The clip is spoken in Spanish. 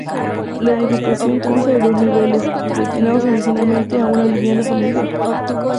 La edificación consta de dos niveles, destinados originalmente a una vivienda familiar.